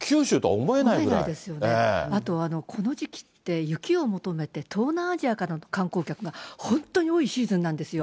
思えないですよね、あと、この時期って雪を求めて、東南アジアからの観光客が本当に多いシーズンなんですよ。